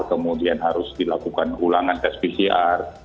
kemudian harus dilakukan ulangan tes pcr